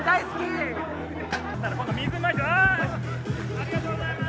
ありがとうございます、